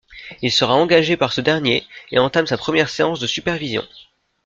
Il sera engagé par ce dernier et entame sa première séance de supervision.